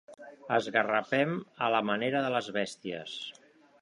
Esgarrapem a la manera de les bèsties.